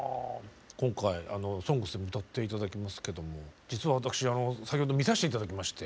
今回「ＳＯＮＧＳ」で歌って頂きますけども実は私先ほど見させて頂きまして。